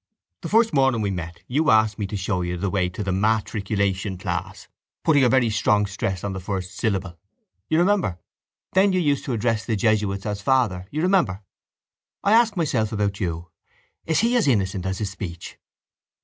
The first morning we met you asked me to show you the way to the matriculation class, putting a very strong stress on the first syllable. You remember? Then you used to address the jesuits as father, you remember? I ask myself about you: _Is he as innocent as his speech?